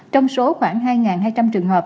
trong số khoảng hai hai trăm linh trường hợp